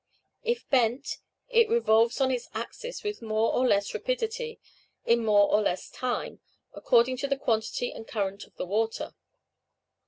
If bent, it revolves on its axis with more or less rapidity, in more or less time, according to the quantity and current of the water.